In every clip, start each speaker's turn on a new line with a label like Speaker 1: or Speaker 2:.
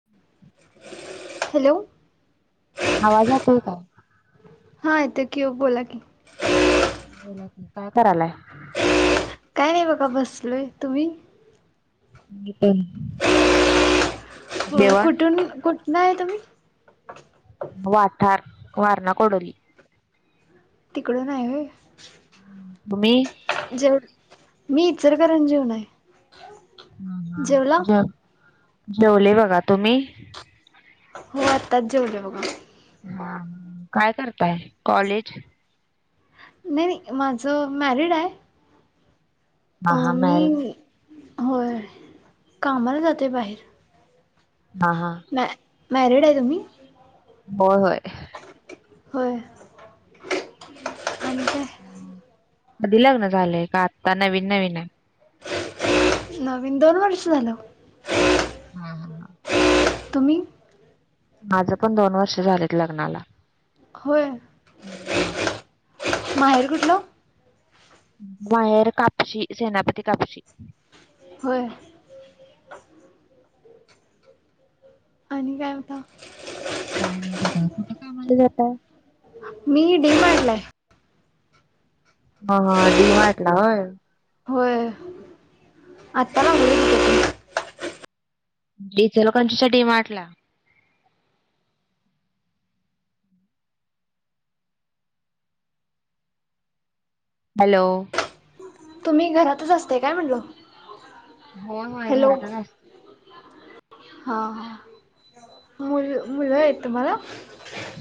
Speaker 1: [inaudible]
Speaker 2: Hello
Speaker 1: आवाज जातोय का?
Speaker 2: हा येते कि ओ बोला की.
Speaker 1: बोला काय करायलाय?
Speaker 2: काय नाही बघा बसलोय. तुम्ही?
Speaker 1: मी पण
Speaker 2: हो
Speaker 1: जेवण
Speaker 2: कुठून कुठनं आहे तुम्ही?
Speaker 1: वाथार, वारणा कोडोली.
Speaker 2: तिकडून हाय व्हय.
Speaker 1: तुम्ही?
Speaker 2: जेव मी इचलकरंजीहून आहे. जेवला
Speaker 1: [unintelligible] जेव जेवले बघा तुम्ही?
Speaker 2: हो आत्ताच जेवले बघा.
Speaker 1: हम्म काय करताय कॉलेज
Speaker 2: नाही माझं मॅरिड आहे.
Speaker 1: हा
Speaker 2: अ
Speaker 1: हा मॅरिड.
Speaker 2: मी होय, कामाला जाते बाहेर.
Speaker 1: हा हा.
Speaker 2: मॅ मॅरिड आहे तुम्ही?
Speaker 1: होय होय.
Speaker 2: होय आणि काय?
Speaker 1: कधी लग्न झालंय का आत्ता नवीन नवीन आहे.
Speaker 2: नवीन दोन वर्ष झालं.
Speaker 1: हा हा हा.
Speaker 2: तुम्ही?
Speaker 1: माझे पण दोन वर्ष झालेत लग्नाला.
Speaker 2: होय.
Speaker 1: हम्म.
Speaker 2: माहेर कुठलं?
Speaker 1: माहेर कापक्षी सेनापती कापक्षी.
Speaker 2: होय. आणि काय बोलता.
Speaker 1: काय नाही होत, कुठ कामाला जाता?
Speaker 2: मी डी मार्टला हाय.
Speaker 1: हा हा डी मार्टला होय.
Speaker 2: होय. आत्ता लागले.
Speaker 1: इचलकरंजीच्या डी मार्टला. हॅलो!
Speaker 2: तुम्ही घरातच असते काय म्हणलो.
Speaker 1: होय होय घरातच असते.
Speaker 2: हा हा मु मुलं आहेत तुम्हाला?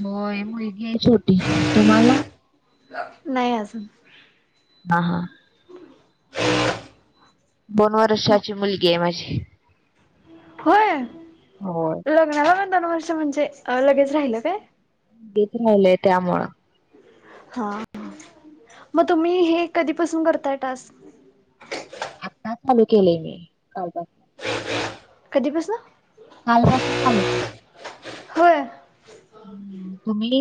Speaker 1: होय मुलगी आहे छोटी. तुम्हाला?
Speaker 2: नाही अजून.
Speaker 1: हा हा.
Speaker 2: ह
Speaker 1: दोन वर्षाची मुलगी आहे माझी.
Speaker 2: व्हय.
Speaker 1: होय.
Speaker 2: लग्नाला पण दोन वर्ष, म्हणजे लगेच राहिलं काय?
Speaker 1: बेबी राहिलय त्यामुळं.
Speaker 2: हा. म तुम्ही हे कधीपासून करताय टास्क?
Speaker 1: आत्ता चालू केले मी कालपासून.
Speaker 2: कधीपसन?
Speaker 1: कालपसून चालू केले.
Speaker 2: होय.
Speaker 1: हं. तुम्ही?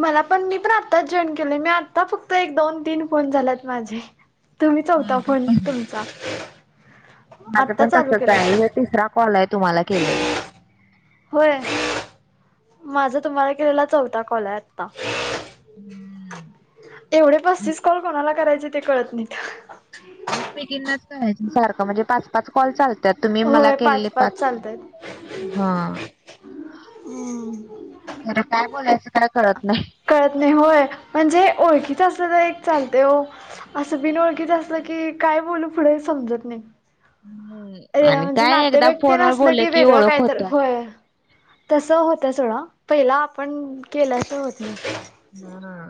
Speaker 2: मला पण मी पण आत्ताच जॉईन केले मी. आता फक्त एक दोन-तीन फोन झालेत माझे. तुम्ही चौथा
Speaker 1: माझं
Speaker 2: फोन
Speaker 1: पण
Speaker 2: तुमचा.
Speaker 1: माझं
Speaker 2: आत्ता
Speaker 1: पण
Speaker 2: चालू
Speaker 1: तसच
Speaker 2: केला
Speaker 1: आहे. तिसरा कॉल आहे तुम्हाला केलेला.
Speaker 2: होय? माझा तुम्हाला केलेला चौथा कॉल आहे आता. एवढे पस्तीस कॉल कोणाला करायचे ते कळत नाहीत.
Speaker 1: एकमेकीनाच करायचे सारखं. म्हणजे पाच पाच कॉल चालत्यात. तुम्ही मला केलेले पाच हां.
Speaker 2: हं.
Speaker 1: खरं काय बोलायचं, काय कळत नाही.
Speaker 2: कळत नाही, होय. म्हणजे ओळखीच असलं तर एक चालतय ओ. अस बीन ओळखीचं असलं की काय बोलू पुढे समजत नाही.
Speaker 1: हम्म,
Speaker 2: ए
Speaker 1: आणि
Speaker 2: म्हणजे
Speaker 1: काय एकदा
Speaker 2: नातेवाईक तेन
Speaker 1: फोनवर
Speaker 2: असलं
Speaker 1: बोललं
Speaker 2: की वेगळं
Speaker 1: ओळख
Speaker 2: काय तर,
Speaker 1: होत्या.
Speaker 2: होय. तसं होतय सोडा. पहिला आपण केल्याशिवाय होत नाही.
Speaker 1: हां हां.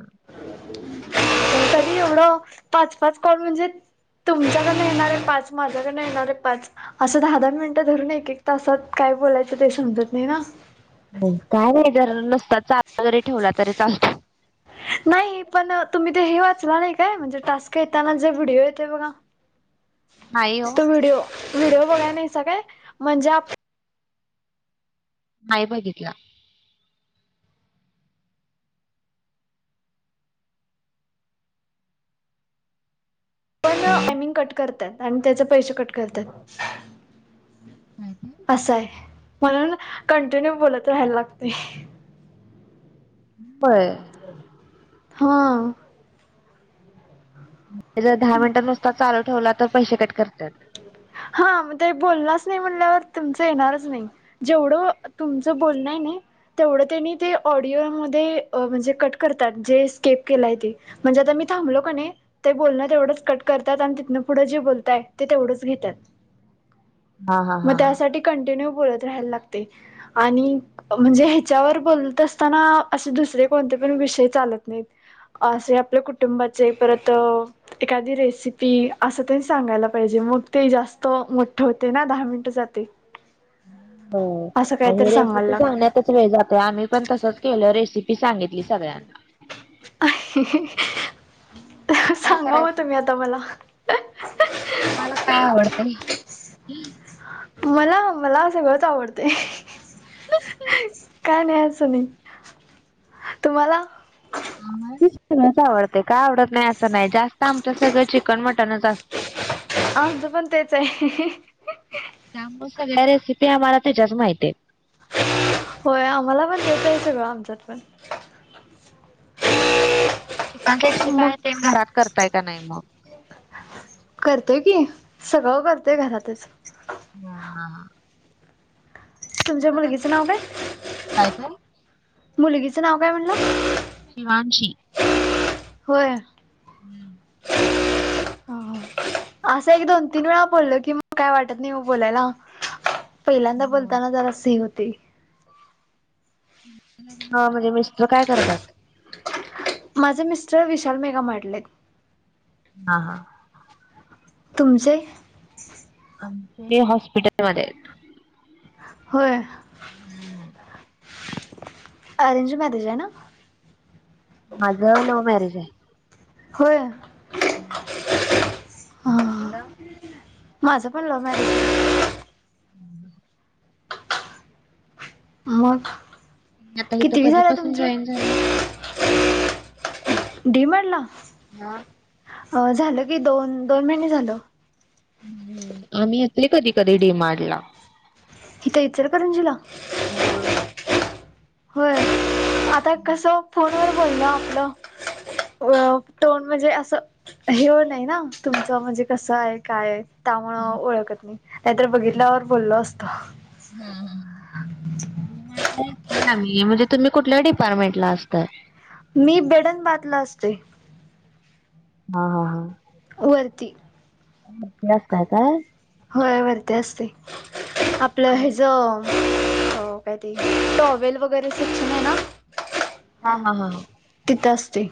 Speaker 1: कामच आहे ते.
Speaker 2: तेवढं पाच पाच कॉल म्हणजे, तुमच्याकडन येणारे पाच माझ्याकडे येणारे पाच असं दहा दहा मिनटं धरून एक एक तासात काय बोलायचं ते समजत नाही ना.
Speaker 1: हो. काय नाही जर नुसता चालू वगैरे ठेवला तरी चालतो.
Speaker 2: नाही. पण तुम्ही ते हे वाचला नाही काय? म्हणजे टास्क येताना जे व्हिडिओ येतय बघा.
Speaker 1: [inaudible] हो
Speaker 2: तो व्हिडिओ व्हिडिओ बघाय नाहीसा काय? म्हणजे आप
Speaker 1: नाही बघितला. हं.
Speaker 2: टायमिंग कट करतात आणि त्याच पैसे कट करतात.
Speaker 1: काय काय?
Speaker 2: असं आहे. म्हणून कंटिन्यू बोलत राहायला लागतय.
Speaker 1: बरं.
Speaker 2: हा.
Speaker 1: जर दहा मिनटं नुसता चालू ठेवला तर पैसे कट करत्यात.
Speaker 2: हा, म ते बोलणारच नाही म्हणल्यावर तुमच येणारच नाही. जेवढं तुमचं बोलणं आहे नई तेवढं त्यांनी ते ऑडिओमध्ये अ म्हणजे कट करतात. जे स्कीप केलाय ते. म्हणजे आता मी थांबलो का नाही, ते बोलणं तेवढंच कट करतात आणि तिथनं पुढं जे बोलताय ते तेवढंच घेत्यात.
Speaker 1: हा हा
Speaker 2: म
Speaker 1: हा हा.
Speaker 2: त्यासाठी कंटिन्यू बोलत राहायला लागतय. आणि म्हणजे ह्याच्यावर बोलत असताना असे दुसरे कोणते पण विषय चालत नाहीत. असे आपल्या कुटुंबाचे परत एखादी रेसिपी असं तेन सांगायला पाहिजे मग ते जास्त मोठं होत ना दहा मिनिट जातय.
Speaker 1: हो आणि रेसिपी सांगण्यात
Speaker 2: लागत
Speaker 1: त्यातच वेळ जातोय आम्ही पण तसंच केलं रेसिपी सांगितली सगळ्यांना
Speaker 2: सांगाव मग तुम्ही आता मला
Speaker 1: मला काय आवडतय?
Speaker 2: मला मला सगळंच आवडतंय. काय नाही असं नाही तुम्हाला?
Speaker 1: सगळंच आवडते काय आवडत नाही असं नाही जास्त जास्त आमच्यात सगळं चिकन मटनच असतंय.
Speaker 2: आमचं पण तेच आहे.
Speaker 1: त्यामुळे सगळ्या रेसिपी आम्हाला त्याच्या माहिती आहेत.
Speaker 2: होय आम्हाला पण तेच आहे सगळं आमच्यात पण.
Speaker 1: चिकन सिक्सटी
Speaker 2: मग
Speaker 1: फाईव्ह ते घरात करताय का नाही मग?
Speaker 2: करतोय की सगळं करतोय घरातच
Speaker 1: हा हा हा [unintelligible]
Speaker 2: तुमच्या
Speaker 1: तिथं कधी
Speaker 2: मुलगीचं
Speaker 1: पण
Speaker 2: नाव काय
Speaker 1: काय ते
Speaker 2: मुलगीचं नाव काय म्हणला?
Speaker 1: शिवांशी.
Speaker 2: होय.
Speaker 1: हम्म
Speaker 2: असं एक दोन तीन वेळा बोलल कि मग काय वाटतं नाही मग बोलायला. पहिल्यांदा बोलताना जरास हे होते.
Speaker 1: हा म्हणजे मिस्टर काय करतात?
Speaker 2: माझे मिस्टर विशाल मेगा मार्ट ला आहेत.
Speaker 1: हा हा
Speaker 2: तुमचे?
Speaker 1: ते हॉस्पिटलमध्ये आहेत.
Speaker 2: होय अरेंज मॅरेज आहे ना?
Speaker 1: माझं लव्ह मॅरेज आहे.
Speaker 2: होय. हां
Speaker 1: तुमचं?
Speaker 2: माझं पण लव्ह मॅरेज आहे.
Speaker 1: ह
Speaker 2: मग
Speaker 1: तुम्ही आता इथं
Speaker 2: कितीवी झाली
Speaker 1: कधीपासून
Speaker 2: तुमची?
Speaker 1: जॉईन झालाय?
Speaker 2: डी मार्ट ला?
Speaker 1: हा
Speaker 2: अ झालं की दोन दोन महिने झालं.
Speaker 1: हम्म आम्ही येतोय कधी कधी डि मार्ट ला
Speaker 2: इथ इचलकरंजीला
Speaker 1: होय होय.
Speaker 2: होय. आता कसं फोनवरर बोलण आपलं. अ टोन म्हणजे असं हे हो नाही ना तुमचं म्हणजे कसं आहे काय त्यामुळं ओळखत नाही नाहीतर बघितल्यावर बोललो असतो.
Speaker 1: हम्म हम्म.
Speaker 2: हा
Speaker 1: बाटला असतो आम्ही म्हणजे तुम्ही कुठल्या डिपार्टमेंट ला असताय
Speaker 2: मी बेडनबाटला असतोय
Speaker 1: हा हा
Speaker 2: वरती
Speaker 1: वरती असता काय
Speaker 2: होय वरती असतोय आपलं ह्येजं हो काय ते टॉवेल वगैरे शिक्षण आहे ना
Speaker 1: हा हा हा हा
Speaker 2: तिथं असतोय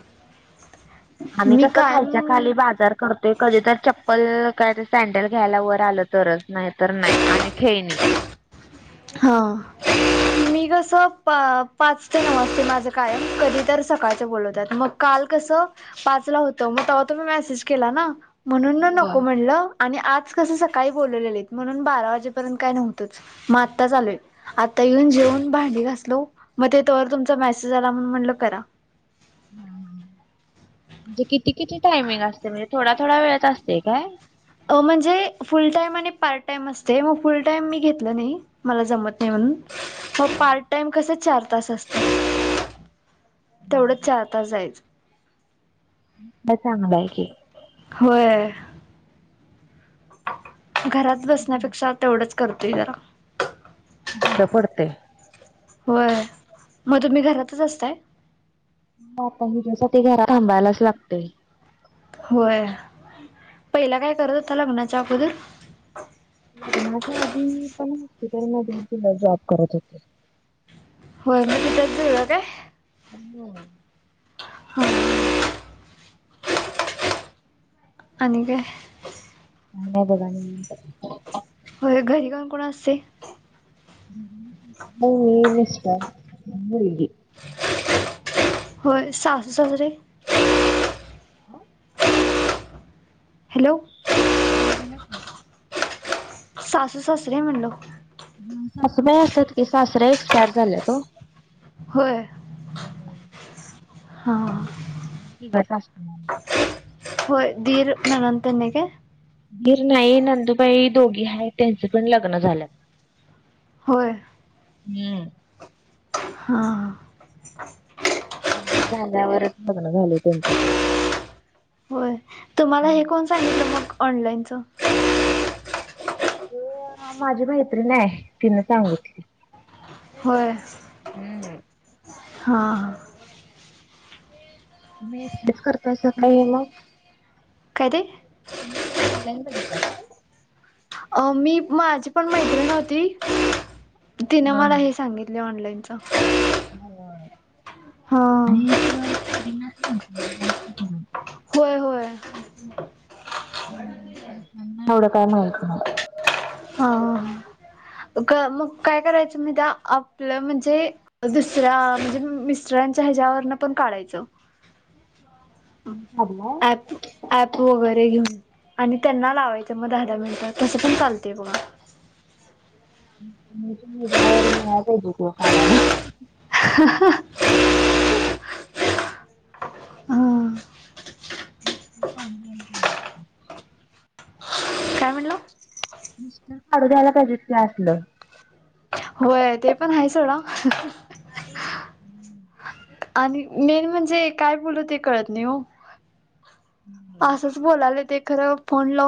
Speaker 1: आम्ही कसं खालच्या खाली बाजार करतोय कधी तर चप्पल काय तर सँडल घ्यायला वर आलं तरच नाही तर नाही आणि खेळणी
Speaker 2: हां मी कसं पा पाच ते नऊ असते माझं कायम कधी तर सकाळचं बोलवतात मग काल कसं पाचला होतं मग तेव्हा तुम्ही मेसेज केला ना म्हणून न
Speaker 1: होय.
Speaker 2: नको म्हणलं आणि आज कसं सकाळी बोलवलेलेत म्हणून बारा वाजेपर्यंत काय नव्हतंच मग आता आताच आलोय आता येऊन जेवून भांडी घासलो मग ते तवर तुमचा मेसेज आला म्हणून म्हणलं करा
Speaker 1: हम हम म्हणजे किती किती टायमिंग असतय म्हणजे थोडा थोडा वेळच असतय काय
Speaker 2: म्हणजे फुल टाईम आणि पार्ट टाईम असतय मग फुल टाईम मी घेतलं नाही मला जमत नाही म्हणून मग पार्ट टाइम कसं चार तास असतं तेवढंच चार तास जायचं
Speaker 1: मग चांगलं आहे की
Speaker 2: होय घरात बसण्यापेक्षा तेवढंच करतोय जरा
Speaker 1: बंद पडतय
Speaker 2: होय मग तुम्ही घरातच असताय
Speaker 1: मग आपण जु साठी जरा थांबायलाच लागतय
Speaker 2: होय पहिला काय करत होता लग्नाच्या अगोदर
Speaker 1: लग्नाच्या आधी मी पण हॉस्पिटलमध्ये तेव्हा जॉब करत होते
Speaker 2: हाॅस्पिटल [unintelligible]
Speaker 1: हम्म
Speaker 2: ह [unintelligible] आणि काय
Speaker 1: पुन्हा बघण
Speaker 2: होय घरी कोण कोण असतय
Speaker 1: घरी मिस्टर असतात मुलगी
Speaker 2: होय सासू सासरे
Speaker 1: हं
Speaker 2: हॅलो
Speaker 1: हा बोला की
Speaker 2: सासु सासरे म्हणलं
Speaker 1: सासु बाई असतात की सासरे एक्सपायर झालेत ओ
Speaker 2: होय हा
Speaker 1: आम्ही तिघच असतोय घरी
Speaker 2: होय, दीर नणंद त्यांनी काय?
Speaker 1: दीर नाही नंदुबाई दोघी आहेत. त्यांच पण लग्न झाल.
Speaker 2: होय
Speaker 1: हम्म
Speaker 2: हा [inaudible]
Speaker 1: आमच झाल्यावरच लग्न झालय त्यांच पण.
Speaker 2: होय तुम्हाला हे कोण सांगितल मग ऑनलाईनच.
Speaker 1: ते, माझी मैत्रीन आहे तिन सांगितली.
Speaker 2: होय
Speaker 1: हम्म
Speaker 2: हा हा
Speaker 1: मी एकटीच करतेय सगळे हे मग.
Speaker 2: काय ते.
Speaker 1: तुम्ही काय ऑनलाईन बघितलात काय?
Speaker 2: अ मी, माझी पण मैत्रीण होती. तिने
Speaker 1: हा
Speaker 2: मला हे सांगितले ऑनलाईनच. [inaudible]
Speaker 1: होय,
Speaker 2: हा
Speaker 1: हे इंस्टाग्राम पोरीनाच माहिती जास्त करून.
Speaker 2: होय होय
Speaker 1: एवढ काय माहित नाही.
Speaker 2: हा हा हा मग काय करायच माहितीये, आपल म्हणजे दुसऱ्या म्हणजे, मिस्टरांच्या ह्याच्यावरन पण काढायच.
Speaker 1: [unintelligible]
Speaker 2: ऍप ऍप वगैरे घेऊन. आणि त्यांना लावायच मग दहा दहा मिनिट. तस पण चालतेय बघा.
Speaker 1: [unintelligible]
Speaker 2: [unintelligible] हा
Speaker 1: [unintelligible]
Speaker 2: काय म्हणला.
Speaker 1: मिस्टर काढू द्यायला पाहिजेत की असल.
Speaker 2: व्हय ते पण हाय सोडा.
Speaker 1: हम्म
Speaker 2: आणि मेन म्हणजे काय बोलल ते कळत नाही हो. असच बोलाले ते खर फोन लावून.